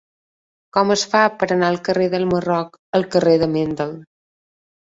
Com es fa per anar del carrer del Marroc al carrer de Mendel?